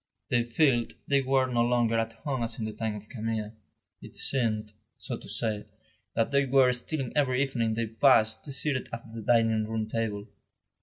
They felt they were no longer at home as in the time of Camille; it seemed, so to say, that they were stealing every evening they passed seated at the dining room table.